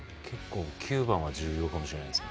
９番は重要かもしれないですね。